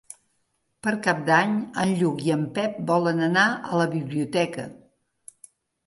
Per Cap d'Any en Lluc i en Pep volen anar a la biblioteca.